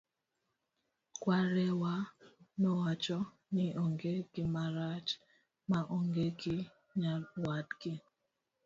kwarewa nowacho ni onge gimarach ma onge gi nyawadgi